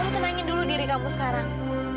tenangin dulu diri kamu sekarang